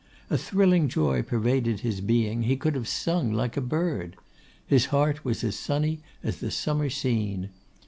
A thrilling joy pervaded his being. He could have sung like a bird. His heart was as sunny as the summer scene.